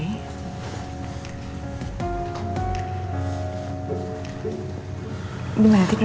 sampai jumpa bawarsharif